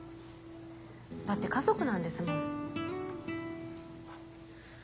だって家族なんですもん。